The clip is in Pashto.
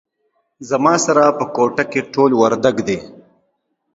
زما سره په کوټه کې ټول وردګ دي